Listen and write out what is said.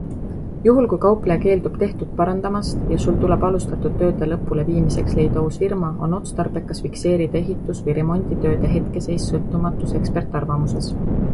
Juhul kui kaupleja keeldub tehtut parandamast ja Sul tuleb alustatud tööde lõpuleviimiseks leida uus firma, on otstarbekas fikseerida ehitus- või remonditööde hetkeseis sõltumatus ekspertarvamuses.